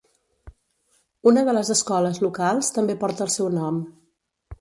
Una de les escoles locals també porta el seu nom.